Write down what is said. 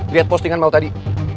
liat postingan mau tadi